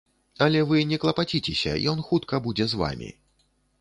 Але вы не клапаціцеся, ён хутка будзе з вамі.